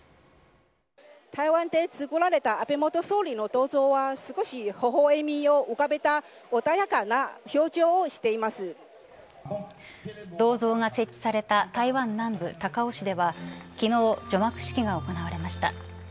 台湾で作られた安倍元総理の銅像は少しほほ笑みを浮かべた穏やかな銅像が設置された台湾南部高雄市では昨日、除幕式が行われました。